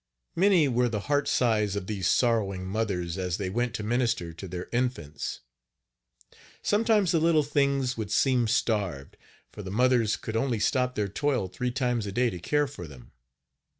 Many were the heart sighs of these sorrowing mothers as they went to minister to their infants. Sometimes the little things would seem starved, for the mothers could only stop their toil three times a day to care for them.